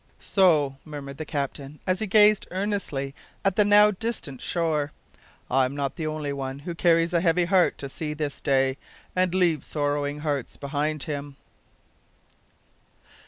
"So," murmured the captain, as he gazed earnestly at the now distant shore, "I'm not the only one who carries a heavy heart to sea this day and leaves sorrowing hearts behind him."